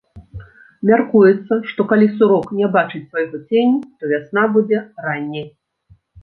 Мяркуецца, што калі сурок не бачыць свайго ценю, то вясна будзе ранняй.